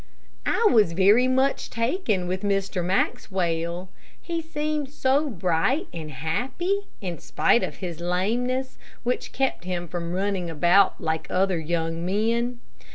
I was very much taken with Mr. Maxwell. He seemed so bright and happy, in spite of his lameness, which kept him from running about like other young men.